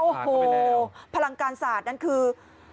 โอ้โฮพลังการสัตว์นั้นคือ